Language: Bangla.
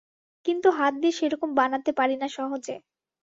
কিন্তু হাত দিয়ে সেরকম বানাতে পারি না সহজে।